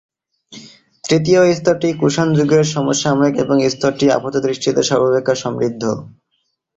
তৃতীয় স্তরটি কুষাণ যুগের সমসাময়িক এবং স্তরটি আপাতদৃষ্টিতে সর্বাপেক্ষা সমৃদ্ধ।